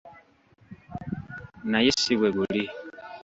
Naye si bwe guli.